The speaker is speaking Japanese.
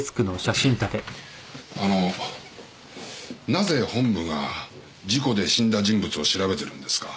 あのなぜ本部が事故で死んだ人物を調べてるんですか？